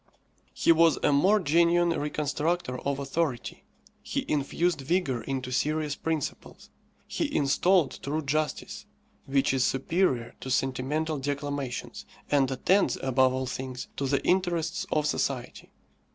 He was a more genuine reconstructor of authority. He infused vigour into serious principles. He installed true justice, which is superior to sentimental declamations, and attends, above all things, to the interests of society.